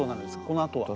このあとは。